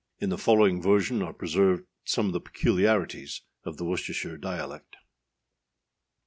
In the following version are preserved some of the peculiarities of the Worcestershire dialect.